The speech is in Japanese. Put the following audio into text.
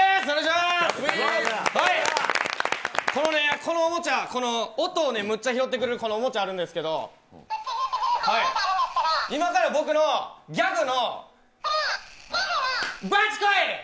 このおもちゃ、音をむっちゃ拾ってくれるおもちゃがあるんですけど今から僕のギャグのバッチコイ！